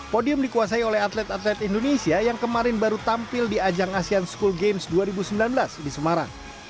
podium dikuasai oleh atlet atlet indonesia yang kemarin baru tampil di ajang asean school games dua ribu sembilan belas di semarang